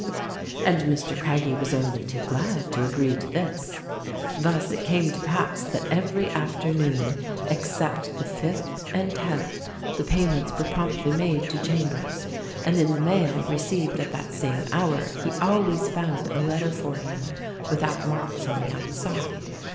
And Mr. Craggie was only too glad to agree to this. Thus it came to pass that every afternoon except the fifth and tenth the payments were promptly made to Chambers ; and in the mail received at that same hour he always found a letter for him without marks on the outside.